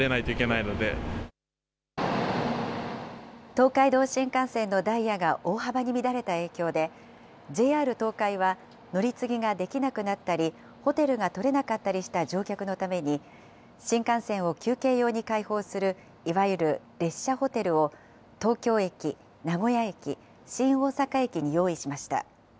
東海道新幹線のダイヤが大幅に乱れた影響で、ＪＲ東海は、乗り継ぎができなくなったり、ホテルが取れなかったりした乗客のために、新幹線を休憩用に開放するいわゆる列車ホテルを、東京駅、名古屋駅、新大阪駅に用意しました。